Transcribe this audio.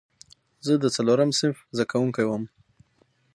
زه د څلورم صنف متعلم وم.